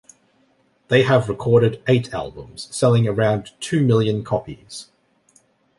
They have recorded eight albums, selling around two million copies.